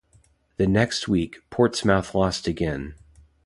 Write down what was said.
The next week, Portsmouth lost again.